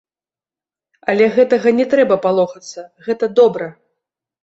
Але гэтага не трэба палохацца, гэта добра!